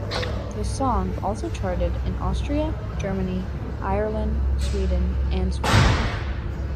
The song also charted in Austria, Germany, Ireland, Sweden, and Switzerland.